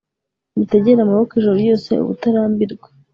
mutegera amaboko ijoro ryose, ubutarambirwa